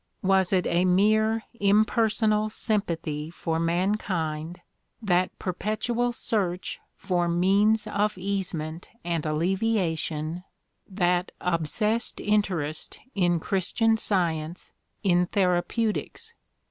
Was it a mere impersonal sympathy for mankind, that perpetual search for means of easement and alleviation, that obsessed interest in Christian , Science, in therapeutics?